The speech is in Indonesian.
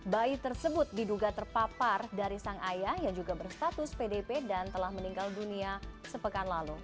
bayi tersebut diduga terpapar dari sang ayah yang juga berstatus pdp dan telah meninggal dunia sepekan lalu